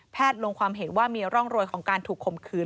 แพทย์ลงความเหตุว่ามีร่องรวยของการถูกคมคืน